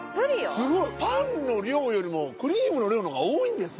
すごいパンの量よりもクリームの量のほうが多いんですね。